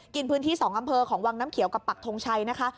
กินพื้นที่๒อำเภอของวังน้ำเขียวกับปักทงชัยนะคะ